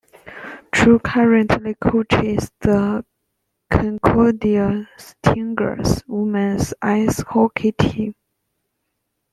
Chu currently coaches the Concordia Stingers' women's ice hockey team.